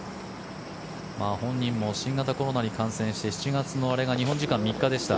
本人も新型コロナに感染して７月の、あれが日本時間の３日でした。